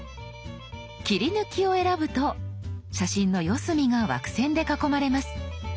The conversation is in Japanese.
「切り抜き」を選ぶと写真の四隅が枠線で囲まれます。